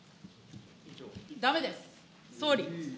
だめです、総理。